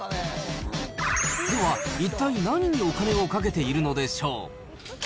では、一体何にお金をかけているのでしょう。